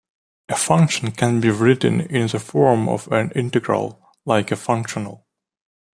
A function can be written in the form of an integral like a functional.